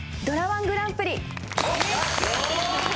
ドラ−１グランプリ！